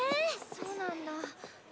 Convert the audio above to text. そうなんだ。